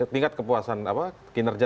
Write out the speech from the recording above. tingkat kepuasan kinerja